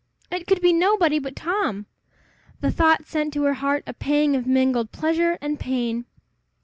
It could be nobody but Tom! The thought sent to her heart a pang of mingled pleasure and pain.